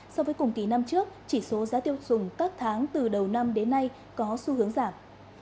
so với cùng kỳ năm trước chỉ số giá tiêu dùng các tháng từ đầu năm đến nay có xu hướng giảm